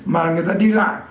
mà người ta đi lại